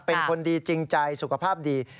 เป็นคนดีจริงใจสุขภาพดี